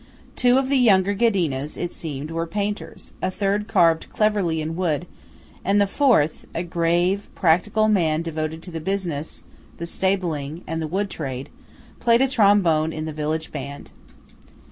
Two of the younger Ghedinas, it seemed, were painters; a third carved cleverly in wood; and the fourth (a grave practical man devoted to the business, the stabling, and the wood trade) played a trombone in the village band.